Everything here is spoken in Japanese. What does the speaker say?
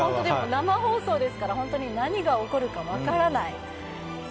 生放送ですから、何が起きるか分からない。